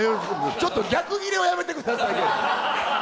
ちょっと逆ギレはやめてくださいよ。